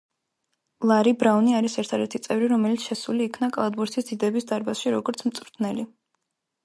ლარი ბრაუნი არის ერთადერთი წევრი, რომელიც შესული იქნა კალათბურთის დიდების დარბაზში, როგორც მწვრთნელი.